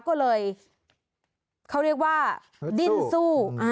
ก็เลยเขาเรียกว่าดิ้นสู้